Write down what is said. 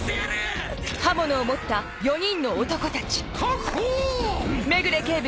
確保！